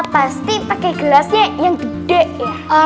pasti pakai gelasnya yang gede ya